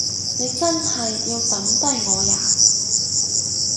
你真係要抌低我呀？